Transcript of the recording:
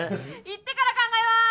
行ってから考えます！